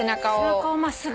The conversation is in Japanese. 背中を真っすぐ。